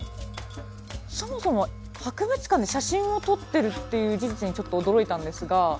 そもそも博物館で写真を撮ってるという事実にちょっと驚いたんですが。